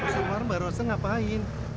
pak suparman baru saja ngapain